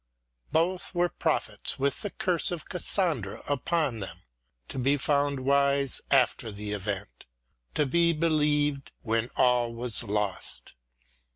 Both were prophets with the curse of Cassandra upon them, to be found wise after the event, to be believed when all was lost.